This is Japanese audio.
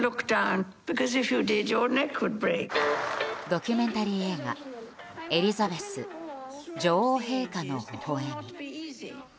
ドキュメンタリー映画「エリザベス女王陛下の微笑み」。